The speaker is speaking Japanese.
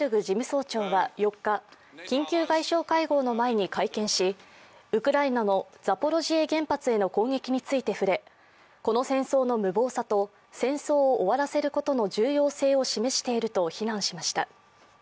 事務総長は４日緊急外相会合の前に会見し、ウクライナのザポロジエ原発への攻撃について触れ、この戦争の無謀さと戦争を終わらせることの重要性を示していると避難しました。